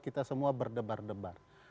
kita semua berdebar debar